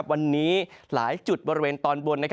วันนี้หลายจุดบริเวณตอนบน